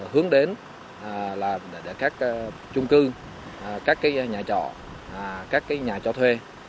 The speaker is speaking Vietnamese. hướng đến các chung cư các nhà trò các nhà trò thuê